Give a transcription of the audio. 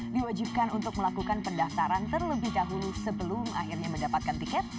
diwajibkan untuk melakukan pendaftaran terlebih dahulu sebelum akhirnya mendapatkan tiket